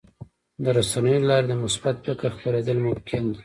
د رسنیو له لارې د مثبت فکر خپرېدل ممکن دي.